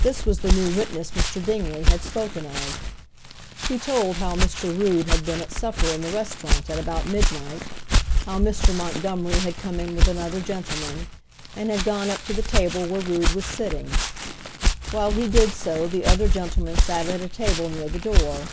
This was the new witness Mr. Dingley had spoken of. He told how Mr. Rood had been at supper in the restaurant at about midnight, how Mr. Montgomery had come in with another gentleman, and gone up to the table where Rood was sitting. While he did so the other gentleman sat at a table near the door.